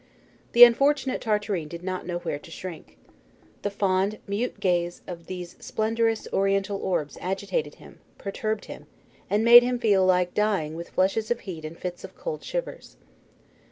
The unfortunate Tartarin did not know where to shrink. The fond, mute gaze of these splendrous Oriental orbs agitated him, perturbed him, and made him feel like dying with flushes of heat and fits of cold shivers.